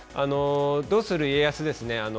どうする家康ですね。